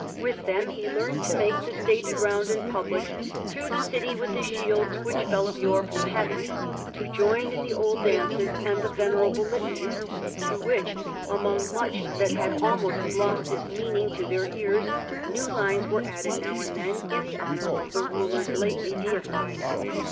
With them he learned to make the stated round in public through the city with the shields which fell of yore from heaven, to join in the old dances and the venerable litany, to which, among much that had almost lost its meaning to their ears, new lines were added now and then, in honour of the rulers lately deified.